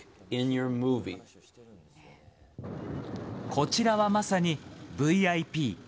こちらはまさに、ＶＩＰ。